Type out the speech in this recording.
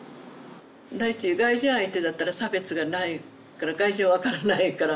第一外人相手だったら差別がないから外人は分からないから。